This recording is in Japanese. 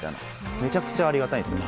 めちゃくちゃありがたいですね。